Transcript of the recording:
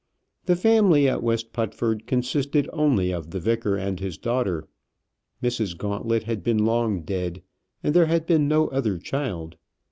The family at West Putford consisted only of the vicar and his daughter. Mrs. Gauntlet had been long dead, and there had been no other child.